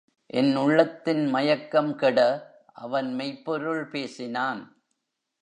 என் உள்ளத்தின் மயக்கம் கெட அவன் மெய்ப்பொருள் பேசினான்.